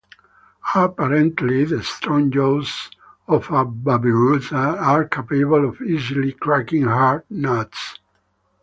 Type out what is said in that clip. Apparently, the strong jaws of a babirusa are capable of easily cracking hard nuts.